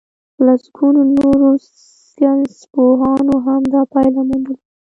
لسګونو نورو ساينسپوهانو هم دا پايله موندلې.